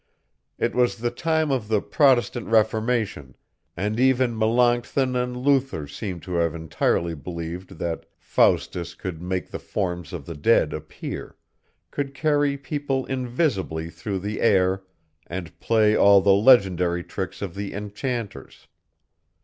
It was the time of the Protestant Reformation, and even Melanchthon and Luther seem to have entirely believed that Faustus could make the forms of the dead appear, could carry people invisibly through the air, and play all the legendary tricks of the enchanters.